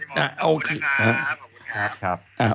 ขอบคุณค่ะขอบคุณค่ะ